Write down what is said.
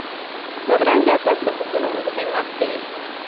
بدرنګه عکس د خوبونو مزاحمت کوي